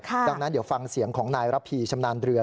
ดังนั้นเดี๋ยวฟังเสียงของนายระพีชำนาญเรือ